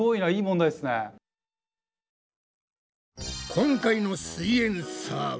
今回の「すイエんサー」は？